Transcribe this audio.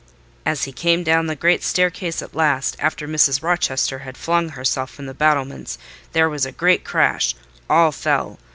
As he came down the great staircase at last, after Mrs. Rochester had flung herself from the battlements, there was a great crash—all fell.